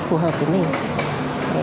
phù hợp với mình